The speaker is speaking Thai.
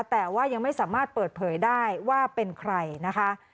แต่ว่ายังไม่สามารถเปิดเผยได้ว่าเป็นใครนะคะ